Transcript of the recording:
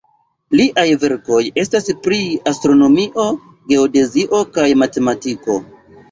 Liaj verkoj estas pri astronomio, geodezio kaj matematiko.